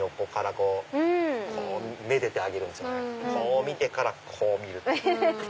こう見てからこう見る。